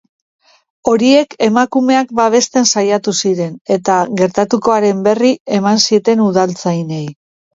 Horiek emakumea babesten saiatu ziren, eta, gertatukoaren berri eman zieten udaltzainei.